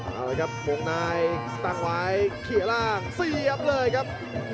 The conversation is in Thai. เอาเลยครับมุ่งนายตั้งไว้เขียร่างสี่ยับเลยครับ